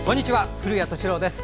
古谷敏郎です。